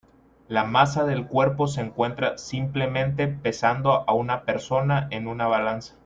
La masa del cuerpo se encuentra simplemente pesando a una persona en una balanza.